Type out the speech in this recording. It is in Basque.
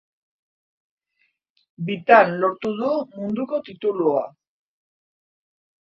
Bitan lortu du munduko titulua.